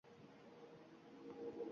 Ularning tarbiyasida Sharqqa xos.